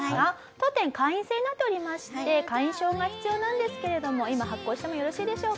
当店会員制になっておりまして会員証が必要なんですけれども今発行してもよろしいでしょうか？